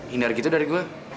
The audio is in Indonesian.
hindar gitu dari gue